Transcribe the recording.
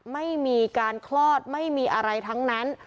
ไม่มีการคลอดไม่มีอะไรทั้งนั้น